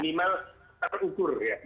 minimal terukur ya